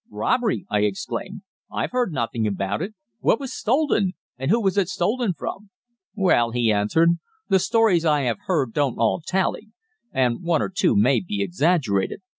"Robbery?" I exclaimed. "I have heard nothing about it. What was stolen? and who was it stolen from?" "Well," he answered, "the stories I have heard don't all tally, and one or two may be exaggerated.